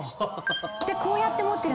でこうやって持ってる。